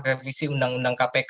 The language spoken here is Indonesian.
revisi undang undang kpk